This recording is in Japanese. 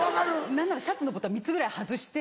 何ならシャツのボタン３つぐらい外して。